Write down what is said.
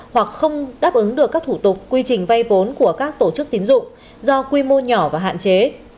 hoặc không đáp ứng được các thủ tục quy trình vay vốn của các tổ chức tín dụng do quy mô nhỏ và hạn chế